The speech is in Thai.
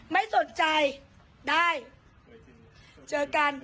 ไม่สนใจได้เจอกัน